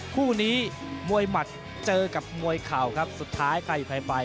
คู่นี้มวยหมัดเจอกับมวยเข่าครับสุดท้ายใครไป